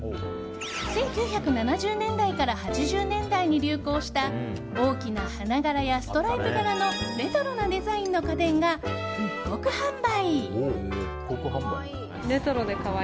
１９７０年代から８０年代に流行した大きな花柄やストライプ柄のレトロなデザインの家電が復刻販売。